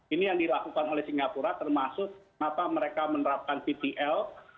ini yang dilakukan oleh singapura termasuk kenapa mereka menerapkan vtl